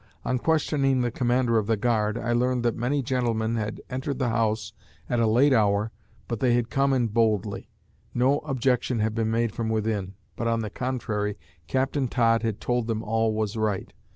On questioning the commander of the guard, I learned that many gentlemen had entered the house at a late hour, but they had come in boldly; no objection had been made from within, but on the contrary Captain Todd had told him all was right.